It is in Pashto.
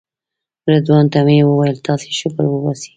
رضوان ته مې ویل تاسې شکر وباسئ.